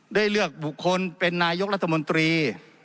ได้เลือกบุคคลเป็นนายกรัฐมนตรี